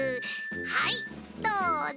はいどうぞ。